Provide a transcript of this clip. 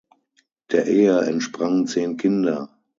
Der Ehe entsprangen zehn Kinder.